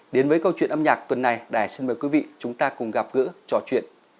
đến với câu chuyện âm nhạc tuần này đài xin mời quý vị chúng ta cùng gặp gỡ trò chuyện